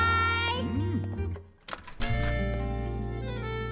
うん？